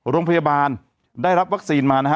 โรงพยาบาลได้รับวัคซีนมานะฮะ